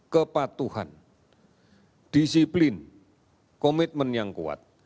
kepatuhan disiplin komitmen yang kuat